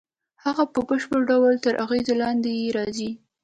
هغه په بشپړ ډول تر اغېز لاندې یې راځي